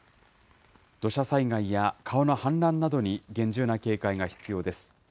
土砂災害や川の氾濫などに厳重な警戒が必要です。